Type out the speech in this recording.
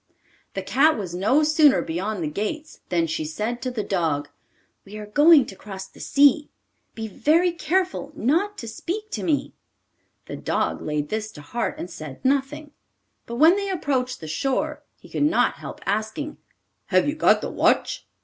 The cat was no sooner beyond the gates than she said to the dog: 'We are going to cross the sea; be very careful not to speak to me.' The dog laid this to heart and said nothing; but when they approached the shore he could not help asking, 'Have you got the watch?